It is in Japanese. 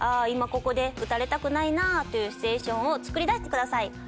今ここで撃たれたくないなあというシチュエーションを作り出してください。